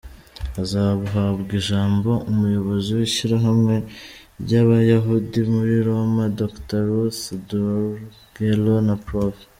Hazahabwa ijambo umuyobozi w’ishyirahamwe ry’Abayahudi muri Roma, Dr Ruth Dureghello na Prof.